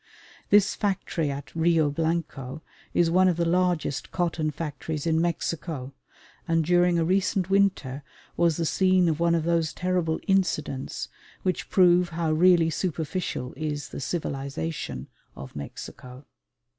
This factory at Rio Blanco is one of the largest cotton factories in Mexico, and during a recent winter was the scene of one of those terrible "incidents" which prove how really superficial is the civilisation of Mexico.